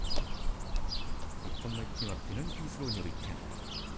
日本の１点はペナルティースローによる１点。